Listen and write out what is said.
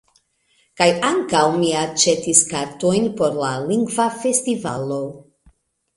Kaj ankaŭ, mi aĉetis kartojn por la Lingva Festivalo.